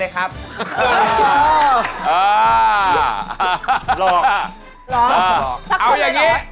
เอาอย่างนี้